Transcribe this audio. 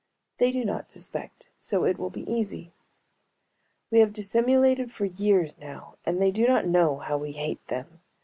They do not suspect, so it will be easy. We have dissimulated for years now, and they do not know how we hate them.